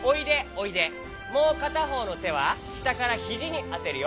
もうかたほうのてはしたからひじにあてるよ。